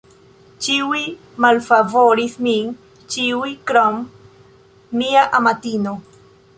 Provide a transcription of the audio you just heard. Ĉiuj malfavoris min, ĉiuj, krom mia amatino.